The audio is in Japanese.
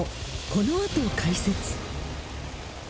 このあと、解説。